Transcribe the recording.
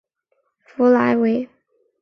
弗莱维。